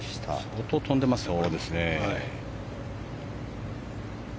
相当、飛んでますよ。